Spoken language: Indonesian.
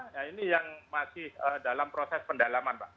nah ini yang masih dalam proses pendalaman pak